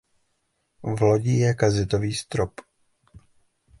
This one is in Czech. V lodi je kazetový strop.